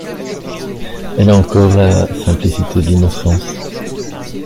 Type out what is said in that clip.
Elle a encore la simplicité de l’innocence.